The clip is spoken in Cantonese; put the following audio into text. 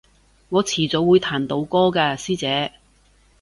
我遲早會彈到歌㗎師姐